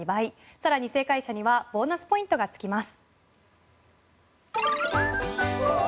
さらに正解者にはボーナスポイントがつきます。